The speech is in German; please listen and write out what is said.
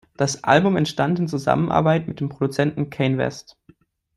Das Album entstand in Zusammenarbeit mit dem Produzenten Kanye West.